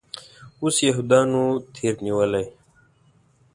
اوس یهودانو ترې نیولی.